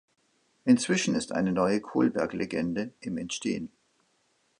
Inzwischen ist eine neue Kolberg-Legende im Entstehen.